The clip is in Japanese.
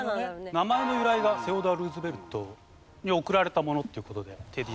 名前の由来がセオドア・ルーズベルトに贈られたものっていう事でテディ。